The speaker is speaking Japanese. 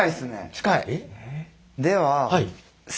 近い。